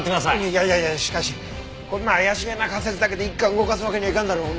いやいやいやしかしこんな怪しげな仮説だけで一課を動かすわけにはいかんだろ。